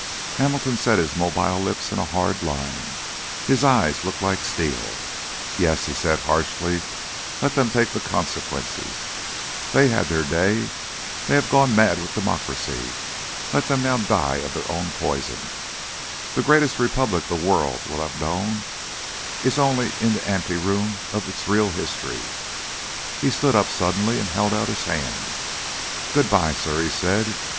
Hamilton set his mobile lips in a hard line. His eyes looked like steel. "Yes," he said harshly, "let them take the consequences. They had their day, they have gone mad with democracy, let them now die of their own poison. The greatest Republic the world ever will have known is only in the ante room of its real history." He stood up suddenly and held out his hand. "Good bye, sir," he said.